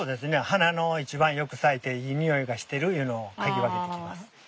花の一番よく咲いていいにおいがしてるいうのを嗅ぎ分けてきます。